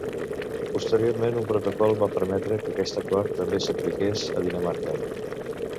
Posteriorment, un protocol va permetre que aquest acord també s'apliqués a Dinamarca.